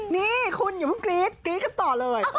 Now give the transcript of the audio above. นี่คุณอย่าเพิ่งกรี๊ดกรี๊ดกันต่อเลย